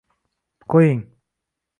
— Qo‘ying!..